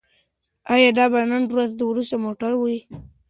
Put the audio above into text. ایا دا به د ده د نن ورځې وروستی موټر وي؟